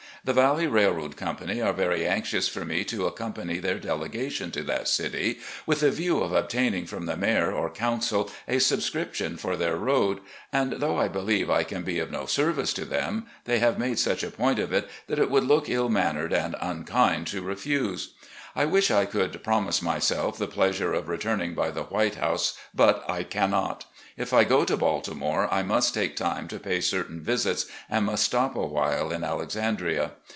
The Valley Railroad Company are very anxious for me to accompany their delegation to that city with a view of obtaining from the mayor or council a subscription for their road, and, though I believe I can be of no service to them, they have made such a point of it that it would look ill mannered and unkind to refuse. I wish I could promise myself the pleasure of returning by the 'White House,' but I cannot. If I go to Baltimore, I must take time to pay certain visits and must stop a while in Alexandria.